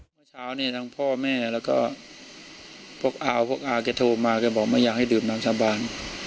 เมื่อเช้าเนี่ยทั้งพ่อแม่แล้วก็พวกอาพวกอาแกโทรมาแกบอกไม่อยากให้ดื่มน้ำสาบาน